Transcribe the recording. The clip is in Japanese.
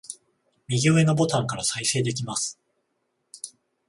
右上のボタンから再生できます